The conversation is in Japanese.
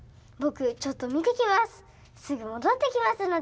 ぼくちょっとみてきます。